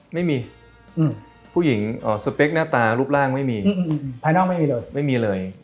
ไม่มีสเปคหน้าตารูปร่างไม่มีภายนอกไม่มีเลย